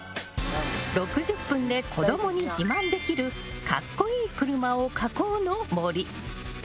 ６０分で子どもに自慢できるカッコいい車を描こうの森。